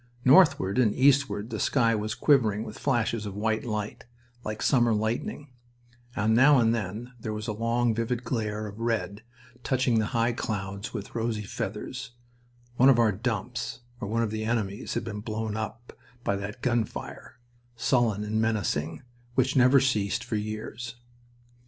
Northward and eastward the sky was quivering with flashes of white light, like summer lightning, and now and then there was a long, vivid glare of red touching the high clouds with rosy feathers; one of our dumps, or one of the enemy's, had been blown up by that gun fire, sullen and menacing, which never ceased for years.